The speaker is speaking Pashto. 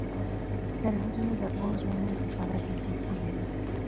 سرحدونه د افغان ځوانانو لپاره دلچسپي لري.